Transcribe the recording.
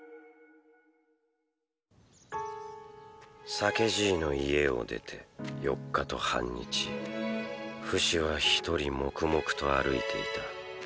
酒爺の家を出て４日と半日フシはひとり黙々と歩いていた。